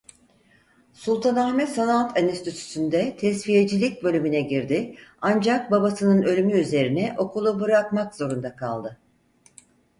Sultanahmet Sanat Enstitüsünde Tesviyecilik bölümüne girdi ancak babasının ölümü üzerine okulu bırakmak zorunda kaldı.